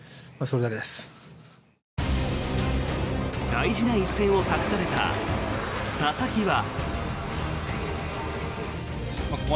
大事な一戦を託された佐々木は。